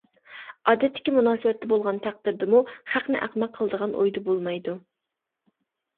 ئادەتتىكى مۇناسىۋەتتە بولغان تەقدىردىمۇ، خەقنى ئەخمەق قىلىدىغان ئويدا بولمايدۇ.